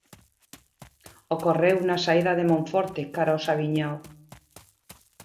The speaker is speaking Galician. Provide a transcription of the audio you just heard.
Ocorreu na saída de Monforte cara ao Saviñao.